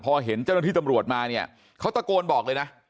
พอเห็นเจ้าหน้าที่ตำรวจมาเนี่ยเขาตะโกนบอกเลยนะ